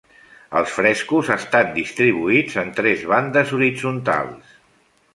Els frescos estan distribuïts en tres bandes horitzontals.